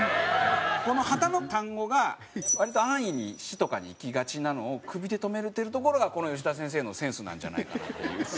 この旗の単語が割と安易に「死」とかにいきがちなのを「首」で止めてるところがこの吉田先生のセンスなんじゃないかなという。